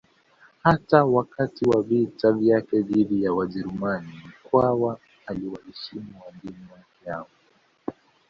Hata wakati wa vita vyake dhidi ya Wajerumani Mkwawa aliwaheshimu wageni wake hawa